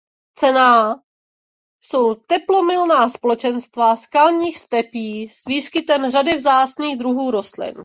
Cenná jsou teplomilná společenstva skalních stepí s výskytem řady vzácných druhů rostlin.